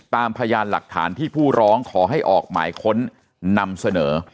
พยานหลักฐานที่ผู้ร้องขอให้ออกหมายค้นนำเสนอ